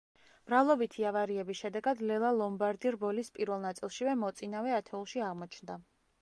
მრავლობითი ავარიების შედეგად ლელა ლომბარდი რბოლის პირველ ნაწილშივე მოწინავე ათეულში აღმოჩნდა.